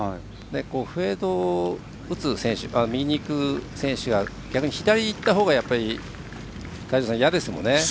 フェードを打つ選手右にいく選手は逆に左にいったほうが嫌ですもんね。